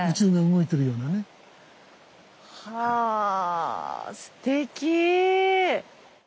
はぁすてき！